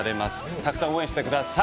たくさん応援してください。